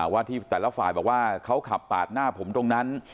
ว่าที่แต่ละฝ่ายบอกว่าเขาขับปาดหน้าผมตรงนั้น